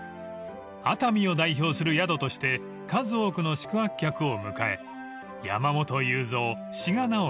［熱海を代表する宿として数多くの宿泊客を迎え山本有三志賀直哉